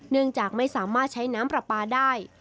เนื่องจากไม่สามารถใช้น้ำปลาปลาได้